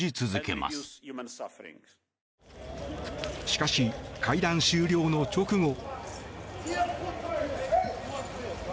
しかし、会談終了の直後。